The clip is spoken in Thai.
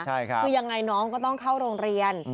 คือยังไงน้องก็ต้องเข้าโรงเรียน